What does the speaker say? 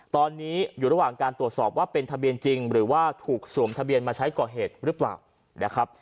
ตอนนี้อยู่ระหว่างการตรวจสอบว่าเป็นทะเบียนจริงหรือว่าถูกสวมทะเบียนมาใช้ก่อเหตุหรือเปล่านะครับ